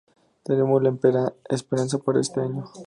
Tenemos la esperanza para este año.